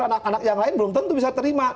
anak anak yang lain belum tentu bisa terima